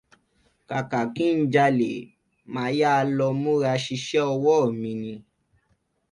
Kàkà kí n jalè, màá yà lọ múra síṣẹ́ ọwọ́ mi ni.